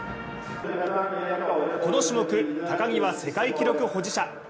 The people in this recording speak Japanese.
この種目、高木は世界記録保持者。